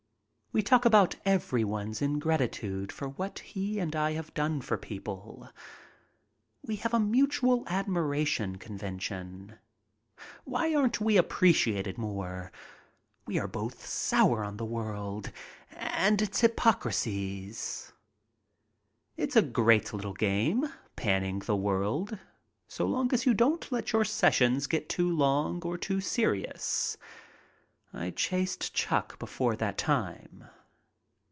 We talk about everybody's ingratitude for what he and I have done for people. We have a mutual admiration convention. Why aren't we appreciated more? We are both sour on the world and its hypocrisies. It's a great little game panning the world so long as you don't let your sessions get too long or too serious. I chased Chuck before that time.